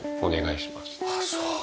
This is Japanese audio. ああそう。